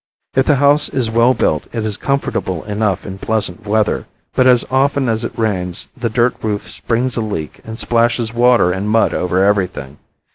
If the house is well built it is comfortable enough in pleasant weather, but as often as it rains the dirt roof springs a leak and splashes water and mud over everything.